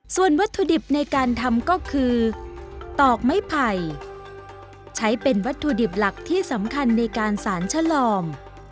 ส่วนวัตถุดิบในการทำก็คือตอกไม้ไผ่ใช้เป็นวัตถุดิบหลักที่สำคัญในการสารชะลอม